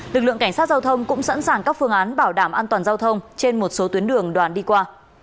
lực lượng cảnh sát giao thông cũng sẵn sàng các phương án bảo đảm an toàn giao thông trên một số tuyến đường đoàn đi qua